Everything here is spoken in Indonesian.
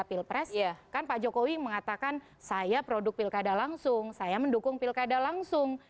pilpres kan pak jokowi mengatakan saya produk pilkada langsung saya mendukung pilkada langsung